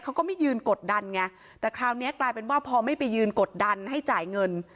เขาก็ไม่ยืนกดดันไงแต่คราวนี้กลายเป็นว่าพอไม่ไปยืนกดดันให้จ่ายเงิน